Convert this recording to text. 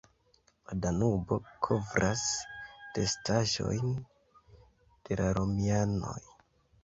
La Danubo kovras restaĵojn de la romianoj.